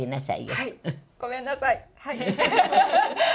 はい、ごめんなさい。